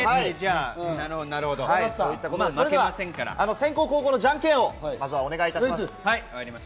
先攻・後攻のじゃんけんをまずはお願いします。